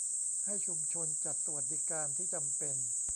ให้ชุมชนจัดสวัสดิการที่จำเป็น